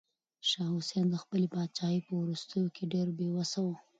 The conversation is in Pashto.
شاه حسين د خپلې پاچاهۍ په وروستيو کې ډېر بې وسه و.